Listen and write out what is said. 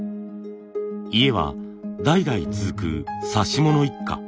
家は代々続く指物一家。